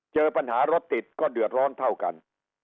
เจอปัญหารถติดก็เดือดร้อนเท่ากัน